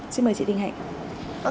xin mời chị đình hạnh